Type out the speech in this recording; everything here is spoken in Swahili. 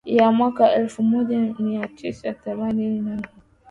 ya mwaka elfu moja mia tisa themanini na mbili